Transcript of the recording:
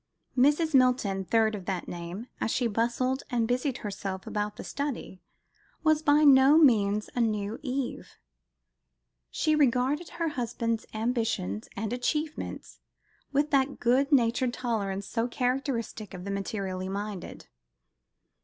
Mrs. Milton, third of that name, as she bustled and busied herself about the study, was by no means a new Eve. She regarded her husband's ambitions and achievements with that good natured tolerance so characteristic of the materially minded.